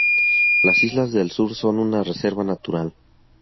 Las islas del sur son una reserva natural.